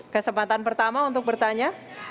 kesempatan pertama untuk bertanya